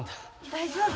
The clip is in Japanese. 大丈夫？